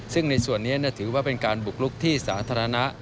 ซึ่งในส่วนนี้ถือว่าเป็นการบุกลุกที่สาธารณะ